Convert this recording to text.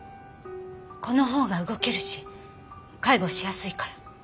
このほうが動けるし介護しやすいから。